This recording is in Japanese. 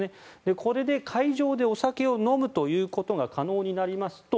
これで会場でお酒を飲むということが可能になりますと